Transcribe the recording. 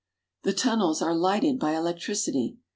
The tunnels are lighted by electricity.